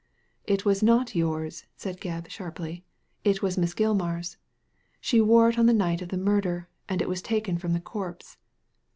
"It was not yours," said Gebb, sharply ;" it was Miss Gilmar's. She wore it on the night of the murder, and it was taken from the corpse."